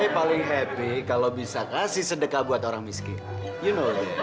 paling happy kalau bisa kasih sedekah buat orang miskin